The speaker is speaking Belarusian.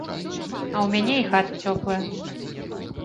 А ў мяне і хата цёплая.